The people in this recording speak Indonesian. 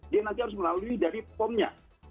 dia nanti harus melalui dari pom nya